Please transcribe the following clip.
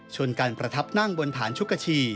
การประทับนั่งบนฐานชุกชี